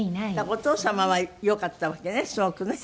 お父様はよかったわけねすごくね。